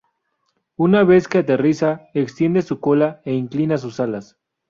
Una vez que aterriza, extiende su cola e inclina sus alas.